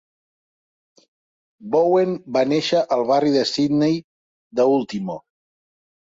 Bowen va néixer al barri de Sydney de Ultimo.